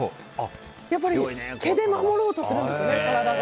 やっぱり、毛で守ろうとするんですね、体が。